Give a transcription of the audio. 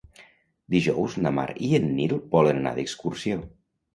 Dijous na Mar i en Nil volen anar d'excursió.